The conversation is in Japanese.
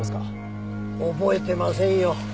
覚えてませんよ。